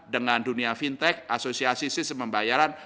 dengan dunia fintech asosiasi sistem pembayaran